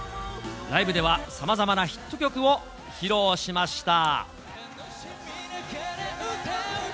ライブでは、さまざまなヒット曲を披露しました。